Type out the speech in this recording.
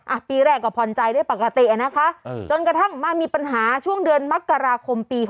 อ่ะปีแรกก็ผ่อนใจด้วยปกตินะคะจนกระทั่งมามีปัญหาช่วงเดือนมักกราคมปี๖๔